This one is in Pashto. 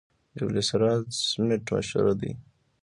جبل السراج سمنټ مشهور دي؟